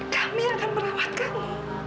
kami akan merawat kamu